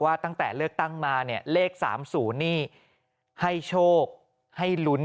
ตั้งแต่เลือกตั้งมาเนี่ยเลข๓๐นี่ให้โชคให้ลุ้น